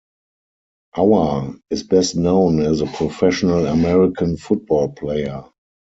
Auer is best known as a professional American football player.